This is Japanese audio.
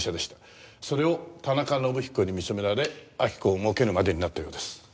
それを田中伸彦に見初められ明子をもうけるまでになったようです。